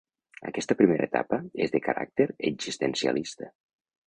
Aquesta primera etapa és de caràcter existencialista.